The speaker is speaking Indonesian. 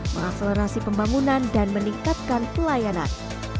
mengakselerasi pembangunan dan meningkatkan pelayanan